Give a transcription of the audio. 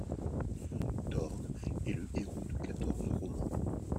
Thorn est le héros de quatorze romans.